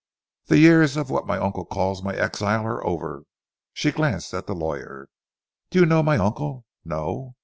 The years of what my uncle calls my exile are over." She glanced at the lawyer. "Do you know my uncle? No!